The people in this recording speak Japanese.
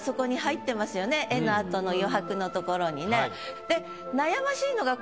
「へ」の後の余白のところにね。